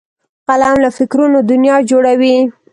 قلم له فکرونو دنیا جوړوي